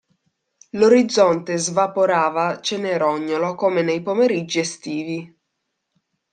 L'orizzonte svaporava cenerognolo come nei pomeriggi estivi.